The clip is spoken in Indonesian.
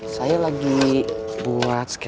saya lagi buat sketch nya